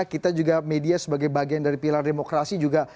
kita juga media sebagai bagian dari pilar demokrasi juga